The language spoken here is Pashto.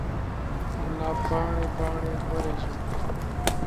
ګلاب پاڼې، پاڼې ورژید